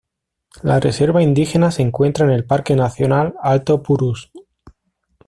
La reserva indígena se encuentra en el Parque nacional Alto Purús.